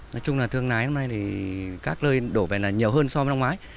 nói chung là thương lái hôm nay thì các lơi đổ về là nhiều hơn so với năm ngoái